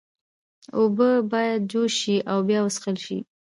اوبه باید جوش شي او بیا وڅښل شي۔